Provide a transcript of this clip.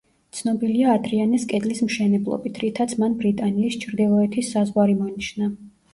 ცნობილია ადრიანეს კედლის მშენებლობით, რითაც მან ბრიტანიის ჩრდილოეთის საზღვარი მონიშნა.